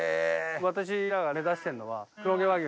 私らがあれ出してんのは。